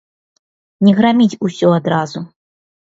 Не граміць усё адразу.